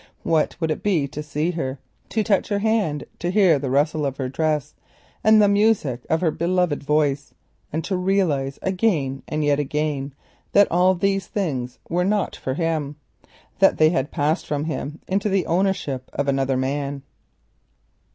What would it be to see her, to touch her hand, to hear the rustle of her dress and the music of her beloved voice, and to realise again and yet again that all these things were not for him, that they had passed from him into the ownership of another man?